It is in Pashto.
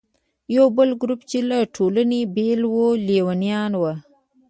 یو بل ګروپ چې له ټولنې بېل و، لیونیان وو.